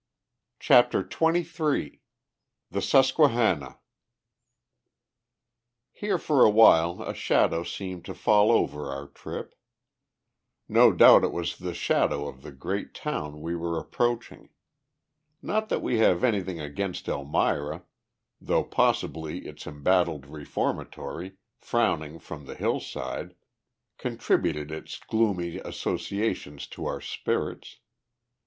CHAPTER XXIII THE SUSQUEHANNA Here for a while a shadow seemed to fall over our trip. No doubt it was the shadow of the great town we were approaching. Not that we have anything against Elmira, though possibly its embattled reformatory, frowning from the hillside, contributed its gloomy associations to our spirits.